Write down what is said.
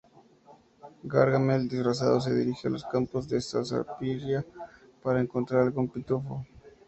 Gargamel, disfrazado, se dirige a los campos de zarzaparrilla para encontrar algún pitufo.